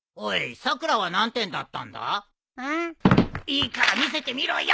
いいから見せてみろよ。